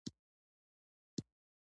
مچان د کار تمرکز خرابوي